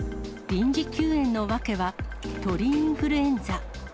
臨時休園の訳は、鳥インフルエンザ。